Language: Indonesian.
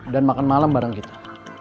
dan makan malam bareng kita